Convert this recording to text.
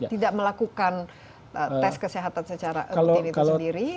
tidak melakukan tes kesehatan secara rutin itu sendiri